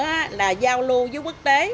cái thứ ba nữa là giao lưu với quốc tế